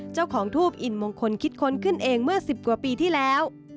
เจ้าของทูปอินมงคลคิดค้นขึ้นเองเมื่อ๑๐กว่าปีที่แล้ว